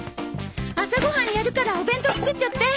朝ご飯やるからお弁当作っちゃって！